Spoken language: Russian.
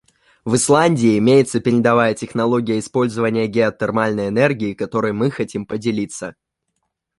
В Исландии имеется передовая технология использования геотермальной энергии, которой мы хотим поделиться.